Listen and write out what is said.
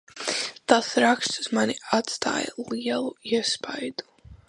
Tas raksts uz mani atstāja lielu iespaidu.